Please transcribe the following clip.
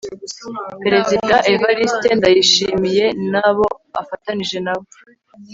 perezida evariste ndayishimiye n'abo afatanije nabo